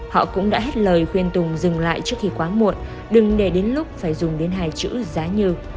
họ cũng đã hết lời khuyên tùng dừng lại trước khi quá muộn đừng để đến lúc phải dùng đến hai chữ giá như